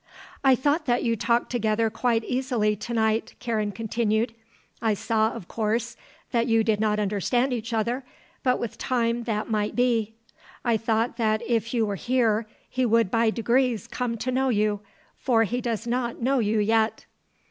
"I thought that you talked together quite easily to night," Karen continued. "I saw, of course, that you did not understand each other; but with time that might be. I thought that if you were here he would by degrees come to know you, for he does not know you yet."